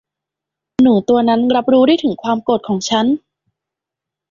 หนูตัวนั้นรับรู้ได้ถึงความโกรธของฉัน